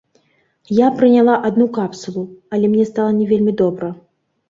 Я прыняла адну капсулу, але мне стала не вельмі добра.